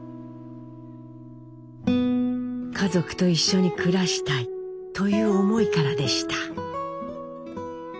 「家族と一緒に暮らしたい」という思いからでした。